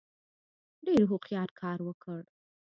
ډېر هوښیار کار وکړ.